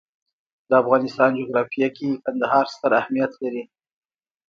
د افغانستان جغرافیه کې کندهار ستر اهمیت لري.